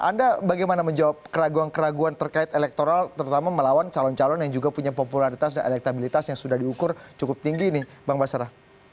anda bagaimana menjawab keraguan keraguan terkait elektoral terutama melawan calon calon yang juga punya popularitas dan elektabilitas yang sudah diukur cukup tinggi nih bang basara